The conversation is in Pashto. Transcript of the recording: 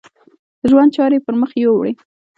د ژوند چارې یې پر مخ یوړې.